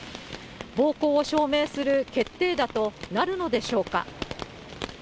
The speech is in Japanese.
暴行を証明する決定打となるのでしょうか。